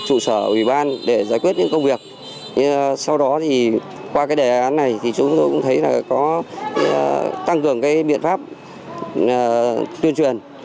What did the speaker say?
trụ sở ủy ban để giải quyết những công việc sau đó thì qua cái đề án này thì chúng tôi cũng thấy là có tăng cường cái biện pháp tuyên truyền